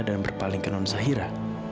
dan berpaling ke non zahira